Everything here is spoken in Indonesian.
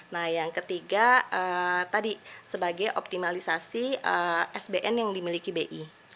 nah yang ketiga tadi sebagai optimalisasi sbn yang dimiliki bi